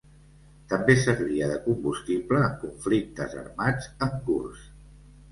També servia de combustible en conflictes armats en curs.